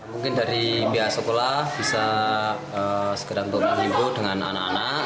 mungkin dari pihak sekolah bisa segera untuk mengimbau dengan anak anak